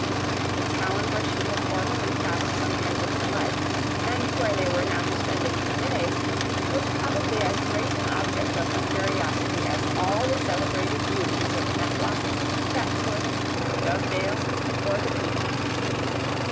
The town where she had formerly passed some years of her life, and where they were now to spend a few days, was probably as great an object of her curiosity as all the celebrated beauties of Matlock, Chatsworth, Dovedale, or the Peak.